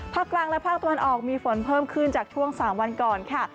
กลางและภาคตะวันออกมีฝนเพิ่มขึ้นจากช่วง๓วันก่อนค่ะ